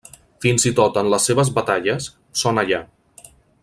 Fins i tot en les seves batalles, són allà!